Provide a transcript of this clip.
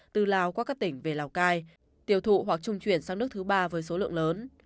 từ lào qua các tỉnh về lào cai tiêu thụ hoặc trung chuyển sang nước thứ ba với số lượng lớn